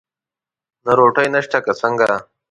نو روټۍ نشته که څنګه؟